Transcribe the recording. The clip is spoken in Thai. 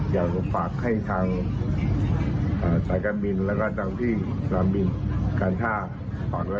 อยากฝากให้ทางสายการบินแล้วก็ทางที่สนามบินการท่าถอนไว้